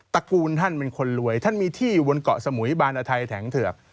ระกูลท่านเป็นคนรวยท่านมีที่อยู่บนเกาะสมุยบานอทัยแถงเถือก